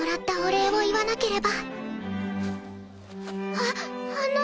ああの。